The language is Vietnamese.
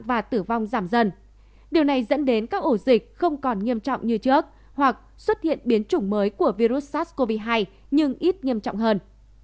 và tử vong giảm dần điều này dẫn đến các ổ dịch không còn nghiêm trọng như trước hoặc xuất hiện biến chủng mới của virus sars cov hai nhưng ít nghiêm trọng hơn